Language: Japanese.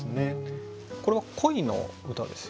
これは恋の歌ですよね？